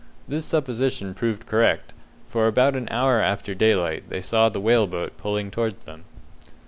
This supposition proved correct, for about an hour after daylight they saw the whale boat pulling towards them.